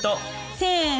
せの！